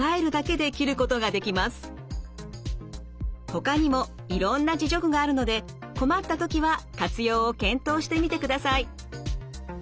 ほかにもいろんな自助具があるので困った時は活用を検討してみてください。